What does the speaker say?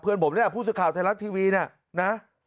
เพื่อนผมเนี่ยผู้สื่อข่าวไทยรัฐทีวีเนี่ยนะ